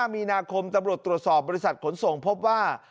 มีนาคมตำรวจตรวจสอบบริษัทขนส่งพบว่า